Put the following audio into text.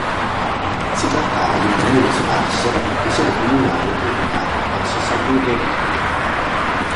Si trattava di un comune sparso con sede comunale ubicata presso Sant'Ulderico.